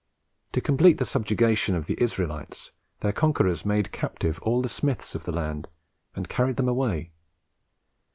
To complete the subjection of the Israelites, their conquerors made captive all the smiths of the land, and carried them away.